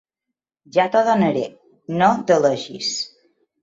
Ja t'ho donaré: no delegis.